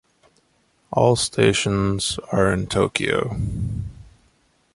All stations are in Tokyo.